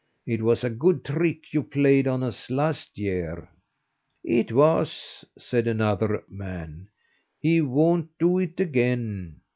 It was a good trick you played on us last year?" "It was," said another man; "he won't do it again."